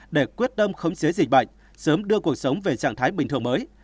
để quyết tâm khống chế dịch bệnh sớm đưa cuộc sống về trạng thái bình thường mới